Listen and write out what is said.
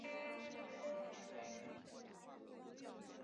切扎里娜是巴西戈亚斯州的一个市镇。